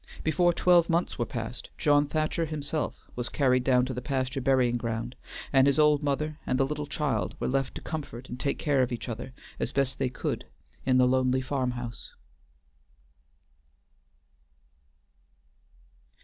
Before twelve months were past, John Thacher himself was carried down to the pasture burying ground, and his old mother and the little child were left to comfort and take care of each other as best they could in the lonely farm house.